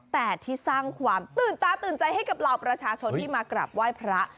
แต่ที่สร้างความตื่นตาตื่นใจให้กับเหล่าประชาชนที่มากราบไหว้พระ